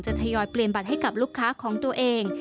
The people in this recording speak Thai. ทยอยเปลี่ยนบัตรให้กับลูกค้าของตัวเอง